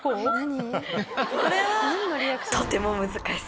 これは。